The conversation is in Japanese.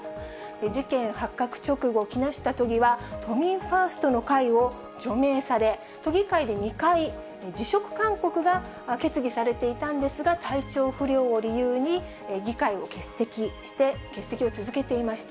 事件発覚直後、木下都議は、都民ファーストの会を除名され、都議会で２回、辞職勧告が決議されていたんですが、体調不良を理由に、議会を欠席して、欠席を続けていました。